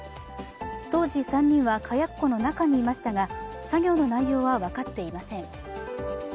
当時、３人は火薬庫の中にいましたが作業の内容は分かっていません。